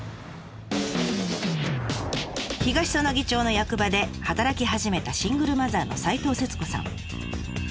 東彼杵町の役場で働き始めたシングルマザーの斎藤節子さん。